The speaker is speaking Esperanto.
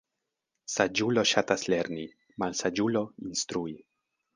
Saĝulo ŝatas lerni, malsaĝulo instrui.